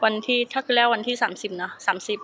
วันที่ถ้าคือแรกวันที่๓๐เนาะ๓๐